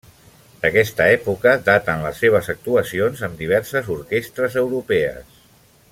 D'aquesta època daten les seves actuacions amb diverses orquestres europees.